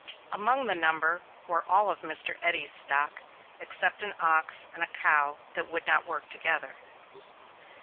Among the number were all of Mr. Eddy's stock, except an ox and a cow that would not work together.